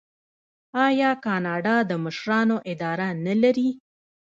آیا کاناډا د مشرانو اداره نلري؟